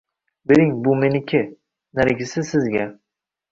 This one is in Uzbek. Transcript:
- Bering bu meniki, narigisi sizga...